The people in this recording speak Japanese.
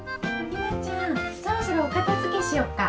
そろそろおかたづけしよっか？